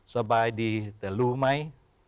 สบายดีแต่รู้ไหม